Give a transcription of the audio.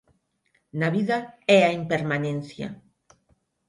Na vida, é a impermanencia.